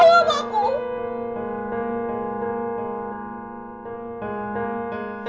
mama jawab aku sekarang